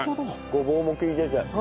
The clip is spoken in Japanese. ごぼうも利いてて。